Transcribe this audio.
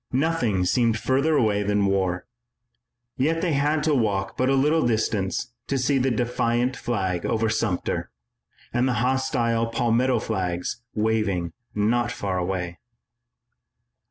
Nothing seemed further away than war, yet they had to walk but a little distance to see the defiant flag over Sumter, and the hostile Palmetto flags waving not far away.